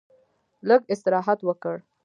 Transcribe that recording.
لږ استراحت وکړ.